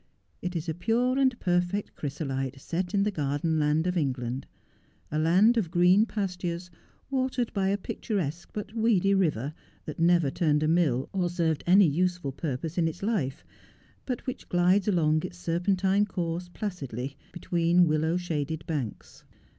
It is a Dure and perfect chrysolite Poor Lucy. 167 set in the garden land of England, a land of green pastures, watered by a picturesque but weedy river that never turned a mill or served any useful purpose in its life, but which glides along its serpentine course placidly, between willow shaded banks.